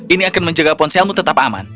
ini akan menjaga ponselmu tetap aman